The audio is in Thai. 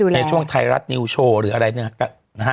ในช่วงไทยรัฐนิวโชว์หรืออะไรเนี่ย